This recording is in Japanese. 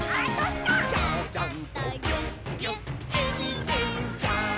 「ちゃちゃんとぎゅっぎゅっえびてんちゃん」